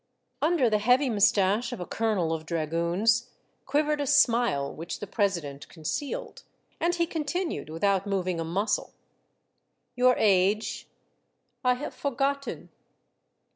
Under the heavy moustache of a colonel of dra goons quivered a smile which the president con cealed, and he continued without moving a muscle : "Your age?" " I have forgotten."